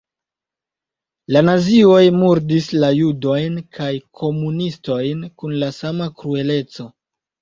La nazioj murdis la judojn kaj komunistojn kun la sama krueleco.